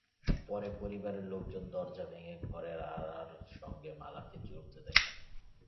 পরে পরিবারের লোকজন দরজা ভেঙে ঘরের আড়ার সঙ্গে মালাকে ঝুলতে দেখেন।